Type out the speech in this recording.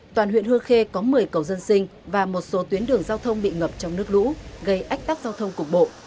toàn huyện hương khê có một mươi cầu dân sinh và một số tuyến đường giao thông bị ngập trong nước lũ gây ách tắc giao thông cục bộ